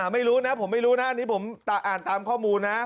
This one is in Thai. ไม่รู้นะผมไม่รู้นะอันนี้ผมอ่านตามข้อมูลนะ